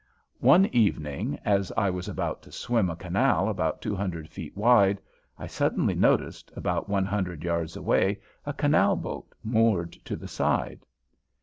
One evening as I was about to swim a canal about two hundred feet wide I suddenly noticed, about one hundred yards away, a canal boat moored to the side.